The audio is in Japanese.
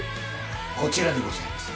こちらでございます。